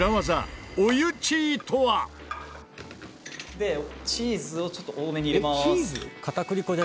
「でチーズをちょっと多めに入れます」